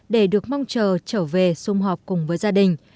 để được mong chờ trở về xung họp cùng với gia đình